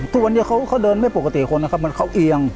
ทุกวันนี้เขาเดินไม่ปกติคนนะครับเหมือนเขาเอียง